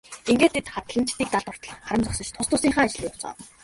Ингээд тэд хадланчдыг далд ортол харан зогсож тус тусынхаа ажил руу явцгаав.